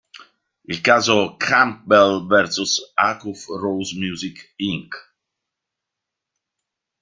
Il caso, "Campbell v. Acuff-Rose Music, Inc.